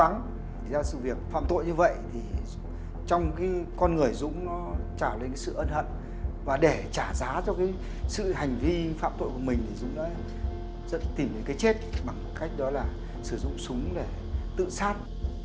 nếu như vậy thì trong con người dũng trả lấy sự ân hận và để trả giá cho sự hành vi phạm tội của mình thì dũng đã tìm đến cái chết bằng cách đó là sử dụng súng để tự sát